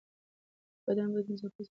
د بدن بوی د نظافت سره تړاو لري.